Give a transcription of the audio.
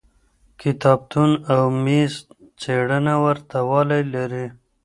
کتابتون او میز څېړنه ورته والی لري.